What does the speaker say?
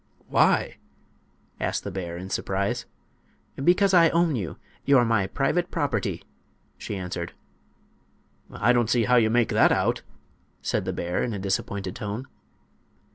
"Why?" asked the bear, in surprise. "Because I own you. You're my private property," she answered. "I don't see how you make that out," said the bear, in a disappointed tone.